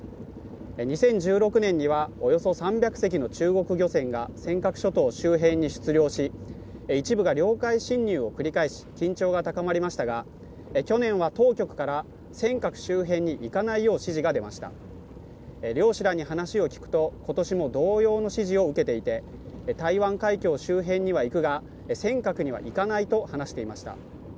２０１６年にはおよそ３００隻の中国漁船が尖閣諸島周辺に出漁し一部が領海侵入を繰り返し緊張が高まりましたが去年は当局から尖閣周辺に行かないよう指示が出ました漁師らに話を聞くと今年も同様の指示を受けていて台湾海峡周辺には行くが尖閣には行かないと話していました